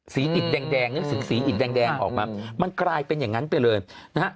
อิดแดงหนังสือสีอิดแดงออกมามันกลายเป็นอย่างนั้นไปเลยนะฮะ